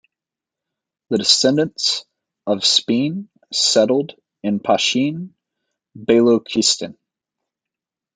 The descendants of Speen settled in Pashin, Balochistan.